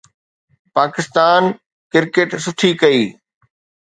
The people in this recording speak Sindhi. پاڪستان ڪرڪيٽ سٺي ڪئي